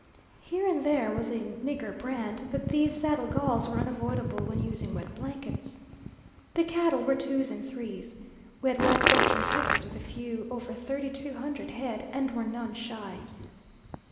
Here and there was a nigger brand, but these saddle galls were unavoidable when using wet blankets. The cattle were twos and threes. We had left western Texas with a few over thirty two hundred head and were none shy.